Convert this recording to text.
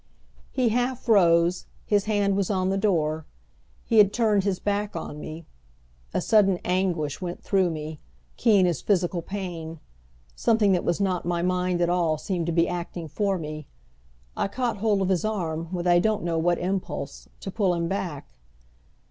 He half rose, his hand was on the door, he had turned his back on me. A sudden anguish went through me, keen as physical pain. Something that was not my mind at all seemed to be acting for me. I caught hold of his arm with I don't know what impulse to pull him back.